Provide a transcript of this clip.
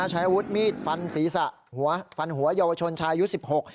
ใช้อาวุธมีดฟันศีรษะฟันหัวเยาวชนชายุด๑๖